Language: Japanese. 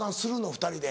２人で。